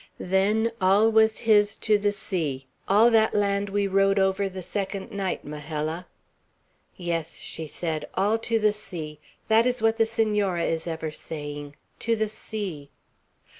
Then all was his to the sea, all that land we rode over the second night, Majella." "Yes," she said, "all to the sea! That is what the Senora is ever saying: 'To the sea!'